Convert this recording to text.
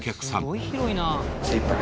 すごい広いな。